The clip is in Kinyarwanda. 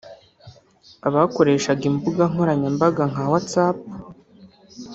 abakoreshaga imbuga nkoranyambaga nka WhatsApp